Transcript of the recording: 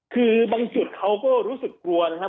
คือบางจุดเขาก็รู้สึกกลัวนะครับ